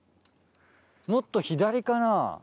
もっと左かな？